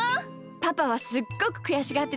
パパはすっごくくやしがってたけどね。